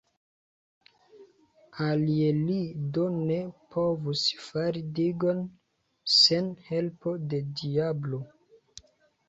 Alie li do ne povus fari digon, sen helpo de diablo!